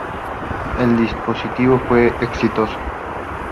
El dispositivo fue exitoso.